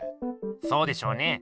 そうでしょうね。